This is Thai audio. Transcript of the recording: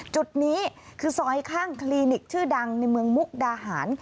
จุดนี้คือซอยข้างคลินิกชื่อดังในเมืองมุกดาหาร